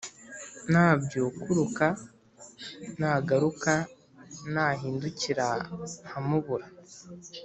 Nabyukuruka: nagaruka, nahindukira nka mubura